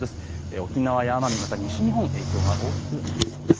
沖縄や奄美、また西日本、影響が大きくなりそうです。